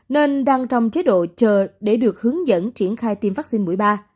nên đang trong chế độ chờ để được hướng dẫn triển khai tiêm vaccine mũi ba